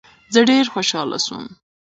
زه ډیر خوشحاله سوم.